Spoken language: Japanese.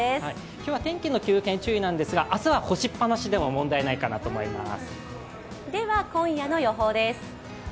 今日は天気の急変注意なんですが、明日は干しっぱなしでも問題ないかなと思います。